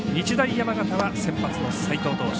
山形は先発の齋藤投手